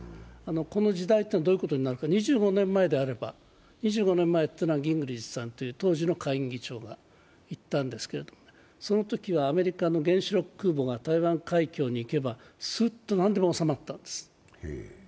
この時代はどういうことになる、２５年前であれば、２５年前というのは当時の下院議長がいったんですけど、そのときはアメリカの原子力空母が台湾海峡に行けばすっと何でも収まったんです。